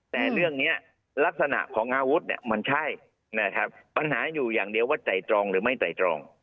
แต่เรื่องนี้ลักษณะของอาวุธเนี่ยมันใช่นะครับปัญหาอยู่อย่างเดียวว่าไต่ตรองหรือไม่ไต่ตรอง